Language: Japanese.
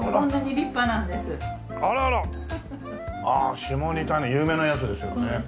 ああ下仁田ネギ有名なやつですよね。